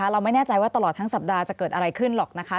เราไม่แน่ใจว่าตลอดทั้งสัปดาห์จะเกิดอะไรขึ้นหรอกนะคะ